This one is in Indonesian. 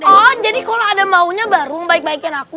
oh jadi kalau ada maunya baru membaik baikin aku